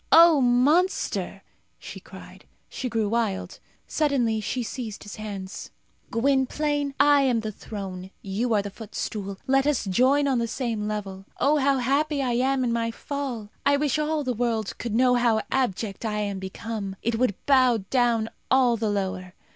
"O monster!" she cried. She grew wild. Suddenly she seized his hands. "Gwynplaine, I am the throne; you are the footstool. Let us join on the same level. Oh, how happy I am in my fall! I wish all the world could know how abject I am become. It would bow down all the lower.